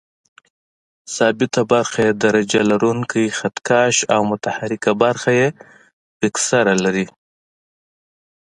ثابته برخه یې درجه لرونکی خط کش او متحرکه برخه یې فکسره لري.